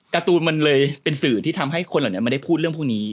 การ์ตูนมันเลยเป็นสื่อที่ทำให้คนเหล่านี้ไม่ได้พูดเรื่องพวกนี้